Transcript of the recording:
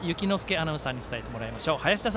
アナウンサーに伝えてもらいます。